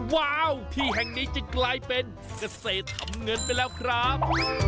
ว้าวที่แห่งนี้จะกลายเป็นเกษตรทำเงินไปแล้วครับ